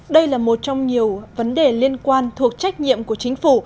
đây là một trong nhiều vấn đề liên quan thuộc trách nhiệm của chính phủ